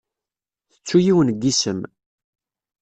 Tettu yiwen n yisem.